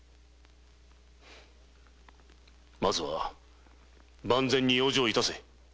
まず万全に養生いたせ。